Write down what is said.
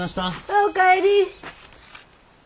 お帰り。